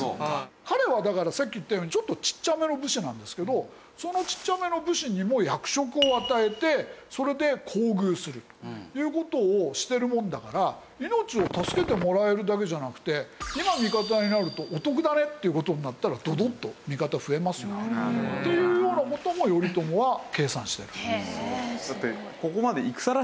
彼はだからさっき言ったようにちょっとちっちゃめの武士なんですけどそのちっちゃめの武士にも役職を与えてそれで厚遇するという事をしてるもんだから命を助けてもらえるだけじゃなくて今味方になるとお得だねっていう事になったらドドッと味方増えますよね。というような事も頼朝は計算してる。